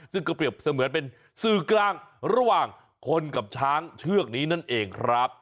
เสมือนเป็นสื่อกลางระหว่างคนกับช้างเชือกนี้นั่นเองครับ